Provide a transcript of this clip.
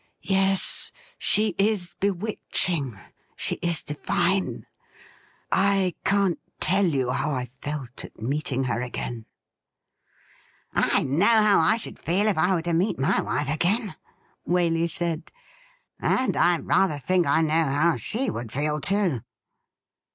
' Yes ; she is bewitching — she is divine ! I can't tell you how I felt at meeting her again !' 'I know how I should feel if I were to meet my wife again,' Waley said ;' and I rather think I know how she would feel, too